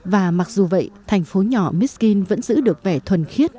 và mặc dù vậy thành phố nhỏ miskin vẫn giữ được vẻ thuần khiết